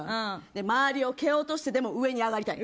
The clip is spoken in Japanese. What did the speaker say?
周りを蹴落としてでも上に上がりたい。